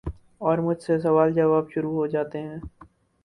اور مجھ سے سوال جواب شروع ہو جاتے ہیں ۔